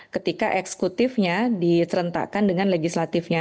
ketika eksekutifnya diserentakkan dengan legislatifnya